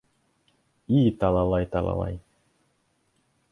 И талалай, талалай.